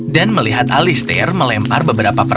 dan melihat alistair melempar beberapa papan